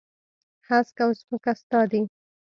هسک او ځمکه ستا دي.